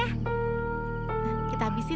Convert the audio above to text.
tahu pun tak masuk